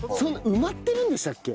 埋まってるんでしたっけ？